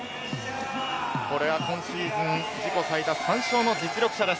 これは今シーズン自己最多３勝の実力者です。